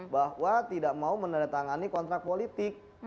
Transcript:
bahwa tidak mau menandatangani kontrak politik